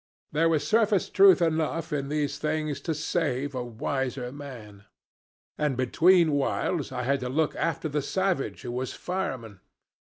There was surface truth enough in these things to save a wiser man. And between whiles I had to look after the savage who was fireman.